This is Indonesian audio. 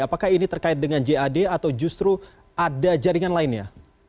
apakah ini terkait dengan jad atau justru ada jaringan lainnya